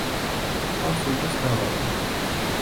გარს უვლის გალავანი.